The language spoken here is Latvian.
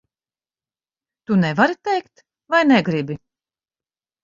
Tu nevari teikt vai negribi?